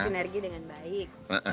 sinergi dengan baik